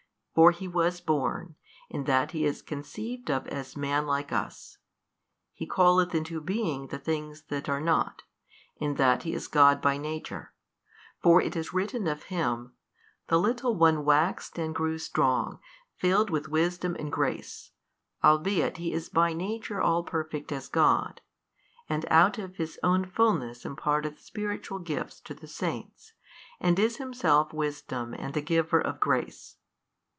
For He was born, in that He is conceived of as Man like us, He calleth into being the things that are not, in that He is God by Nature; for it is written of Him, The Little one waxed and grew strong, filled with wisdom and grace, albeit He is by Nature all Perfect as God, and out of His own Fulness imparteth spiritual gifts to the saints, and is Himself Wisdom and the Giver of grace.